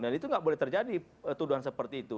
dan itu tidak boleh terjadi tuduhan seperti itu